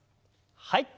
はい。